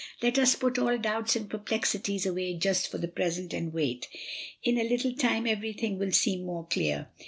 Let us put all doubts and perplexities away just for the present and wait. In a little time everything will seem more clear."